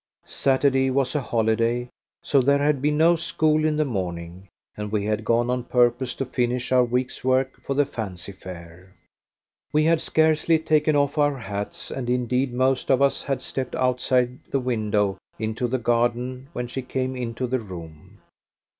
Saturday was a holiday, so there had been no school in the morning, and we had gone on purpose to finish our week's work for the fancy fair. We had scarcely taken off our hats, and indeed most of us had stepped outside the window into the garden when she came into the room.